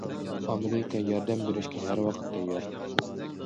ئامېرىكا ياردەم بېرىشكە ھەر ۋاقىت تەييار.